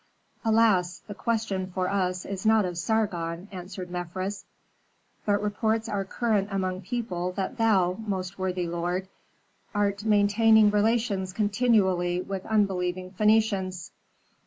"Alas! the question for us is not of Sargon," answered Mefres. "But reports are current among people that thou, most worthy lord, art maintaining relations continually with unbelieving Phœnicians."